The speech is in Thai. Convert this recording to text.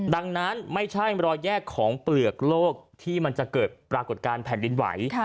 ดังนั้นไม่ใช่รอยแยกของเปลือกโลกที่มันจะเกิดปรากฏการณ์แผ่นดินไหว